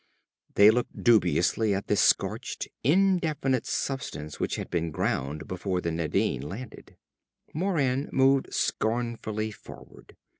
They looked dubiously at the scorched, indefinite substance which had been ground before the Nadine landed. Moran moved scornfully forward.